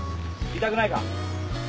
痛くないか？